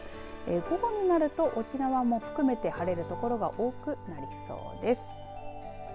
午後になると沖縄も含め晴れる所が多くなりそうです。